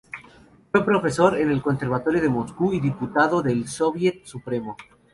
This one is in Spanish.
Fue profesor en el conservatorio de Moscú y diputado del Soviet Supremo.